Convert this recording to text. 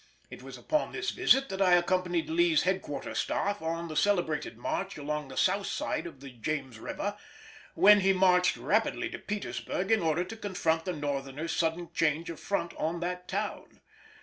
It was upon this visit that I accompanied Lee's Headquarter staff on the celebrated march along the south side of the James river, when he marched rapidly to Petersburg in order to confront the Northerners' sudden change of front on that town.